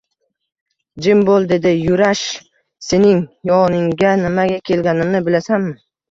Jim boʻl! – dedi Yurash. – Sening yoningga nimaga kelganimni bilasanmi?